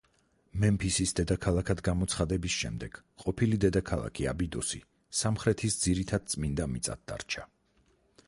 მემფისის დედაქალაქად გამოცხადების შემდეგ ყოფილი დედაქალაქი აბიდოსი სამხრეთის ძირითად წმინდა მიწად დარჩა.